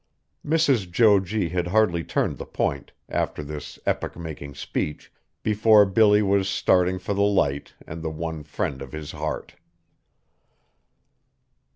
Mrs. Jo G. had hardly turned the Point, after this epoch making speech, before Billy was starting for the Light and the one friend of his heart.